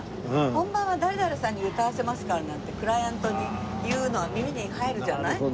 本番は誰々さんに歌わせますからなんてクライアントに言うのが耳に入るじゃない。